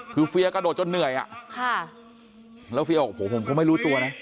คือเฟียกระโดดจนเหนื่อยอ่ะค่ะแล้วเฟียบอกโอ้โหผมก็ไม่รู้ตัวนะ